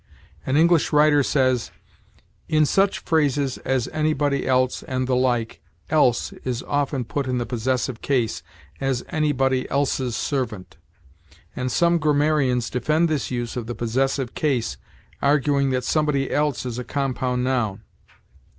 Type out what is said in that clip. An English writer says: "In such phrases as anybody else, and the like, else is often put in the possessive case; as, 'anybody else's servant'; and some grammarians defend this use of the possessive case, arguing that somebody else is a compound noun."